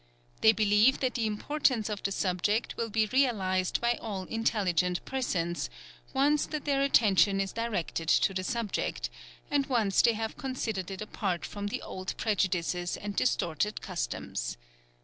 They believe that the importance of the subject will be realized by all intelligent persons, once that their attention is directed to the subject, and once they have considered it apart from the old prejudices and distorted customs.